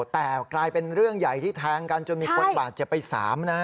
แต่กลายเป็นเรื่องใหญ่ที่แทงกันจนมีคนบาดเจ็บไป๓นะฮะ